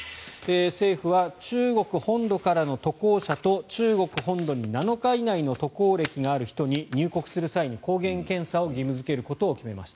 政府は中国本土からの渡航者と中国本土に７日以内の渡航歴がある人に入国する際に抗原検査をすることを義務付けました。